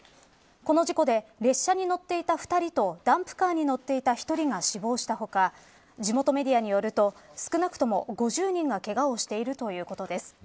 この事故で列車に乗っていた２人とダンプカーに乗っていた１人が死亡した他地元メディアによると少なくとも５０人がけがをしているということです。